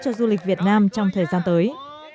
cho du lịch việt nam trong thời gian tới